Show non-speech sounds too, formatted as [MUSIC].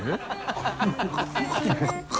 ハハハ [LAUGHS]